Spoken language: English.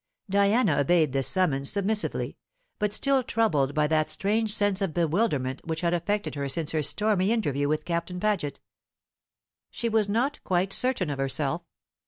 C.P." Diana obeyed this summons submissively, but still troubled by that strange sense of bewilderment which had affected her since her stormy interview with Captain Paget. She was not quite certain of herself.